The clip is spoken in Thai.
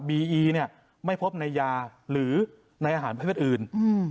บีอีเนี่ยไม่พบในยาหรือในอาหารเพศอื่นอื้อ